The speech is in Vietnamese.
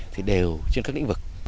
thì đều trên các lĩnh vực